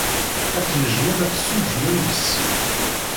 Ad tnejjmem ad tessuǧǧmem bessi?